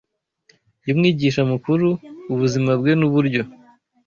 y’Umwigisha mukuru, ubuzima bwe n’uburyo